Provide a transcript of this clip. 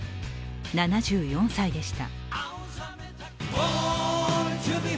７４歳でした。